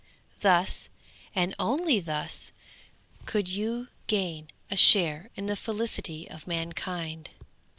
Thus, and only thus, could you gain a share in the felicity of mankind.